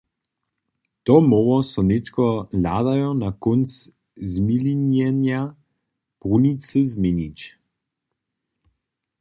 To móhło so nětko hladajo na kónc zmilinjenja brunicy změnić.